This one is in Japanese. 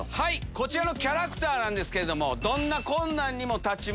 こちらのキャラクターですけど。